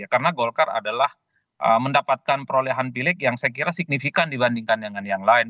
karena golkar adalah mendapatkan perolehan pilih yang saya kira signifikan dibandingkan dengan yang lain